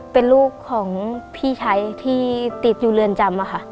เป็นลูกของพี่ชายที่ติดอยู่เรือนจำค่ะ